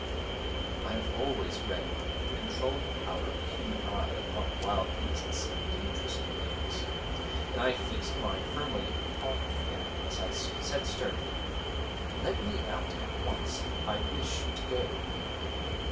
I have always read of the controlling power of the human eye upon wild beasts and dangerous maniacs, and I fixed mine firmly upon him now as I said sternly, 'Let me out at once I wish to go.'